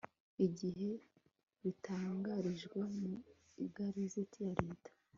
igihe ritangarijwe mu igazeti ya leta